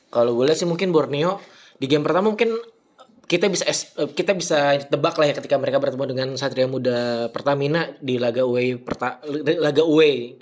kalo gua liat sih mungkin borneo di game pertama mungkin kita bisa kita bisa tebak lah ya ketika mereka bertemu dengan satria muda pertamina di laga uwe